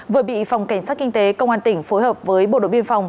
vừa bị phòng cảnh sát kinh tế công an tỉnh phối hợp với bộ đội biên phòng